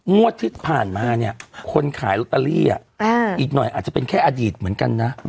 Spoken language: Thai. งวดที่ผ่านมาเนี่ยคนขายลอตเตอรี่อีกหน่อยอาจจะเป็นแค่อดีตเหมือนกันนะ